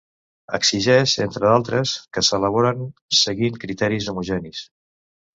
Exigeix, entre d'altres, que s'elaboren seguint criteris homogenis.